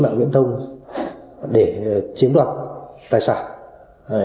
mạng viễn thông để chiếm đoạt tài sản